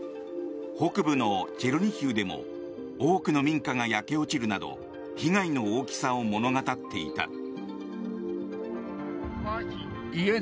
北部のチェルニヒウでも多くの民家が焼け落ちるなど被害の大きさを物語っていた。